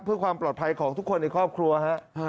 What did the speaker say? เพื่อความปลอดภัยของทุกคนในครอบครัวฮะ